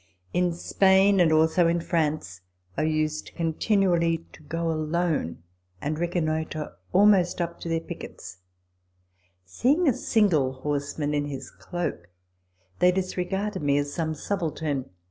In Spain, and also in France, I used continually to go alone and reconnoitre almost up to their TABLE TALK OF SAMUEL ROGERS 231 piquets. Seeing a single horseman in his cloak, they disregarded me as some subaltern.